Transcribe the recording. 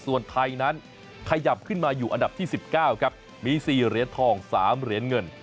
ส่วนไทยนั้นขยับขึ้นมาอยู่อันดับที่๑๙ครับมี๔เหรียญทอง๓เหรียญเงิน